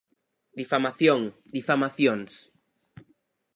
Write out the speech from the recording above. Difamación, difamacións.